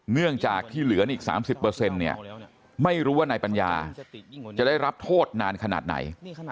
เนื่องจากที่เหลืออีก๓๐เนี่ยไม่รู้ว่านายปัญญาจะได้รับโทษนานขนาดไหน